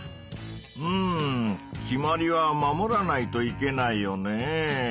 うん決まりは守らないといけないよね。